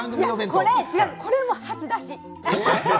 これも初出し。